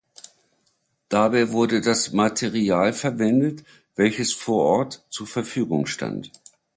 Dabei wurde das Material verwendet, welches vor Ort zur Verfügung stand.